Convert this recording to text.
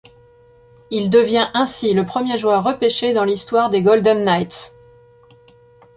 Il devient ainsi le premier joueur repêché dans l'histoire des Golden Knights.